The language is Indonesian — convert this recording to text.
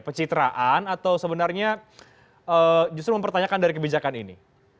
pecitraan atau sebenarnya justru mempertanyakan dari kebijakan ini